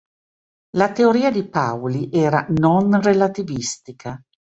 La teoria di Pauli era non-relativistica.